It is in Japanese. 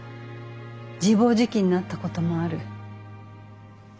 自暴自棄になったこともある。